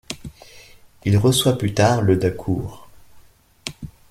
Il reçoit plus tard le de cour.